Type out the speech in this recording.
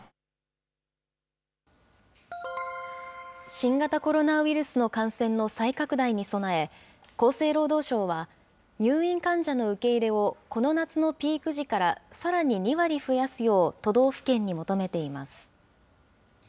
新型コロナウイルスの感染の再拡大に備え、厚生労働省は、入院患者の受け入れをこの夏のピーク時から、さらに２割増やすよう都道府県に求めています。